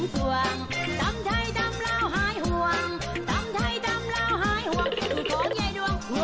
ทำใจทำลาวหายห่วงสุดของใหญ่ดวงเห้ย